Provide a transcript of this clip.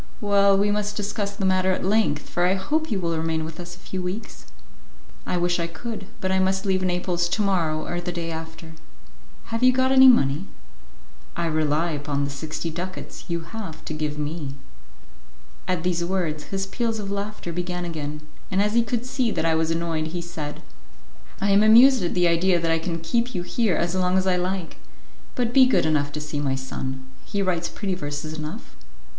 "Well, we must discuss the matter at length, for I hope you will remain with us a few weeks." "I wish I could, but I must leave Naples to morrow or the day after." "Have you got any money?" "I rely upon the sixty ducats you have to give me." At these words, his peals of laughter began again, and as he could see that I was annoyed, he said, "I am amused at the idea that I can keep you here as long as I like. But be good enough to see my son; he writes pretty verses enough."